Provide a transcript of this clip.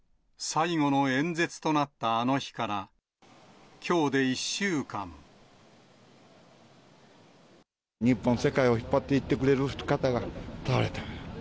最後の演説となったあの日か日本、世界を引っ張っていってくれる方が倒れた。